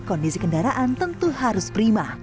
kondisi kendaraan tentu harus prima